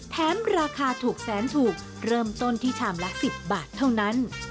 ราคาถูกแสนถูกเริ่มต้นที่ชามละ๑๐บาทเท่านั้น